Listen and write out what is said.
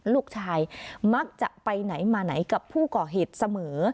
ลูกชายมักจะไปไหนมาไหนกับผู้ก่อเหตุเสมอ